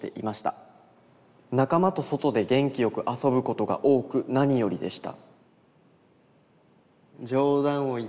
「仲間と外で元気よく遊ぶことが多く何よりでした」。